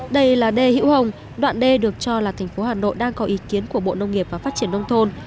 đây là đê hữu hồng đoạn đê được cho là thành phố hà nội đang có ý kiến của bộ nông nghiệp và phát triển nông thôn